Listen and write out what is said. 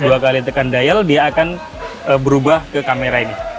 dua kali tekan daya dia akan berubah ke kamera ini